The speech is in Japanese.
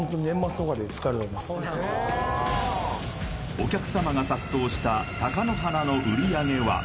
お客様が殺到した貴乃花の売上は？